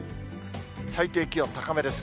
最低気温、高めです。